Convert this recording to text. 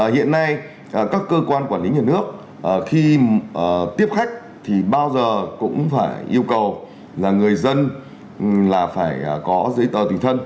hiện nay các cơ quan quản lý nhà nước khi tiếp khách thì bao giờ cũng phải yêu cầu là người dân là phải có giấy tờ tùy thân